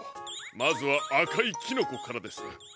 まずはあかいキノコからです。